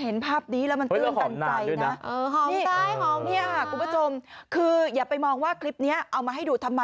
เห็นภาพนี้แล้วมันตื่นตันใจนะคุณผู้ชมคืออย่าไปมองว่าคลิปนี้เอามาให้ดูทำไม